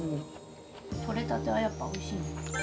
取れたてはやっぱおいしいね。